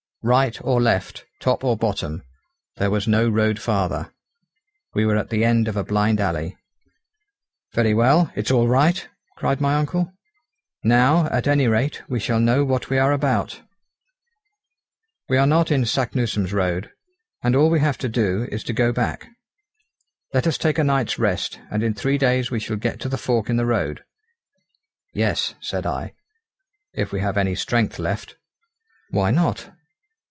Right or left, top or bottom, there was no road farther; we were at the end of a blind alley. "Very well, it's all right!" cried my uncle, "now, at any rate, we shall know what we are about. We are not in Saknussemm's road, and all we have to do is to go back. Let us take a night's rest, and in three days we shall get to the fork in the road." "Yes," said I, "if we have any strength left." "Why not?"